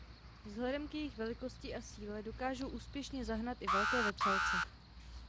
Vzhledem k jejich velikosti a síle dokážou úspěšně zahnat i velké vetřelce.